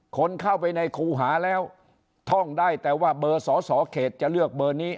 คนเข้าไปในครูหาแล้วท่องได้แต่ว่าเบอร์สอสอเขตจะเลือกเบอร์นี้